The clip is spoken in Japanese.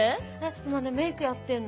今ねメイクやってんの。